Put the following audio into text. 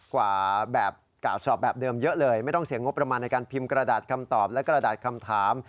กว่าแบบกล่าวสอบแบบเดิมเยอะเลยไม่ต้องเสียงงบประมาณในการพิมพ์กระดาษคำตอบและกระดาษคำถาม